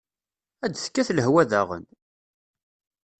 Ad tekkat lehwa daɣen!